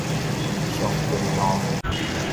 松平路